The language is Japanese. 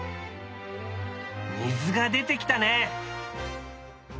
水が出てきたね。